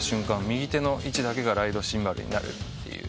右手の位置だけがライドシンバルになるという。